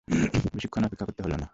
বেশিক্ষণ অপেক্ষা করতে হলনা।